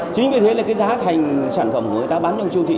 chính vì thế là cái giá thành sản phẩm của người ta bán trong siêu thị